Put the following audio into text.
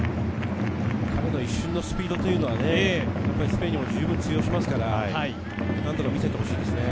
彼の一瞬のスピードはスペインにもじゅうぶん通用しますので、何とか見せてほしいですね。